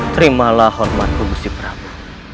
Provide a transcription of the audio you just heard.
terimalah hormat puski prabu